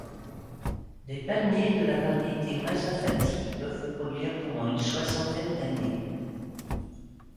Les palmiers de la variété mazafati peuvent produire pendant une soixantaine d'années.